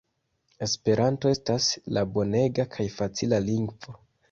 Esperanto estas la bonega kaj facila lingvo.